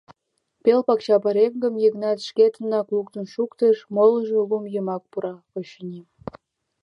Пел пакча пареҥгым Йыгнат шкетынак луктын шуктыш, молыжо лум йымак пура, очыни.